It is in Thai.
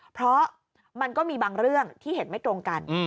เพราะมันก็มีบางเรื่องที่เห็นไม่ตรงกัน